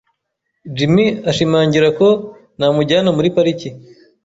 Jimmy ashimangira ko namujyana muri pariki.